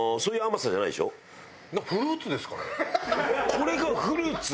これがフルーツ？